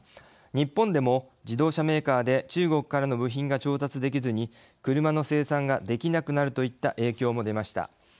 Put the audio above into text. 日本でも自動車メーカーで中国からの部品が調達できずに車の生産ができなくなるといった影響も出ました。